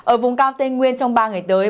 ở vùng cao tây nguyên trong ba ngày tới